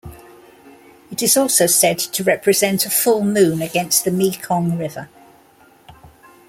It is also said to represent a full moon against the Mekong River.